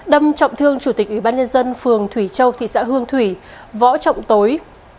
đâm trọng thương chủ tịch ủy ban nhân dân phường thủy châu thị xã hương thủy võ trọng tối